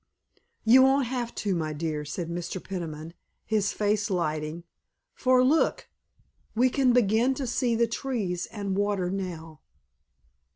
"You won't have to, my dear," said Mr. Peniman, his face lighting, "for, look, we can begin to see the trees and water now."